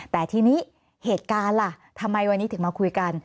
แต่ทีนี้เหตุการณ์ล่ะทำไมวันนี้ถึงมาคุยกัน